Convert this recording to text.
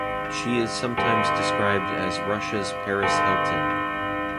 She is sometimes described as "Russia's Paris Hilton".